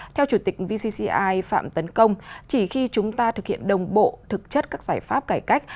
theo chủ tịch vcci phạm tấn công chỉ khi chúng ta thực hiện đồng bộ thực chất các giải pháp cải cách